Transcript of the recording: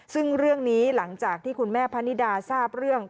ซึ่งเรื่องนี้หลังจากที่คุณแม่พะนิดาทราบเรื่อง